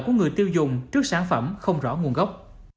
của người tiêu dùng trước sản phẩm không rõ nguồn gốc